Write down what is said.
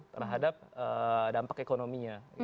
terhadap dampak ekonominya